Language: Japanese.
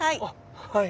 はい。